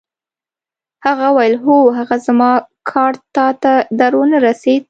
هغه وویل: هو، هغه زما کارډ تا ته در ونه رسید؟